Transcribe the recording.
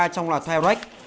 trong là hai rack